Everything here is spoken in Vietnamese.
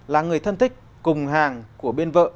là người thân thích cùng hàng của bên vợ